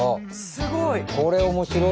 すごい！